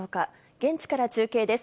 現地から中継です。